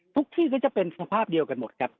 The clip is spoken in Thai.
ที่ก็จะเป็นสภาพเดียวกันหมดครับ